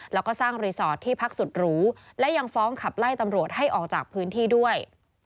แล้วก็สร้างรีสอร์ทที่พักสุดหรูและยังฟ้องขับไล่ตำรวจให้ออกจากพื้นที่ด้วย